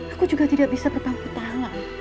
aku juga tidak bisa berpangku tangan